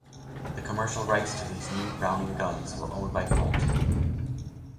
The commercial rights to these new Browning guns were owned by Colt.